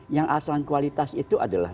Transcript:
yang asalan kualitas itu adalah